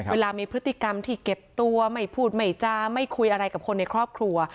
เวลามีพฤติกรรมที่เก็บตัวไม่พูดไม่จาไม่คุยอะไรกับคนในครอบครัว